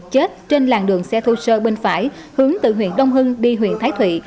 chết trên làng đường xe thô sơ bên phải hướng từ huyện đông hưng đi huyện thái thụy